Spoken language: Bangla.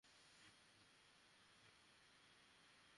যখন কোনো সংগীত পরিচালকের কাছে যাই, তাঁদের দেশের গানের জন্য অনুরোধ করেছি।